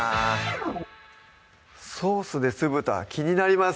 ソースで酢豚気になります